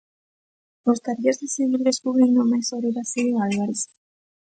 Gostarías de seguir descubrindo máis sobre Basilio Álvarez?